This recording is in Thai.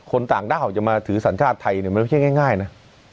ต่างด้าวจะมาถือสัญชาติไทยมันไม่ใช่ง่ายนะ